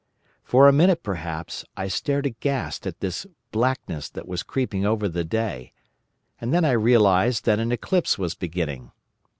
For a minute perhaps I stared aghast at this blackness that was creeping over the day, and then I realised that an eclipse was beginning.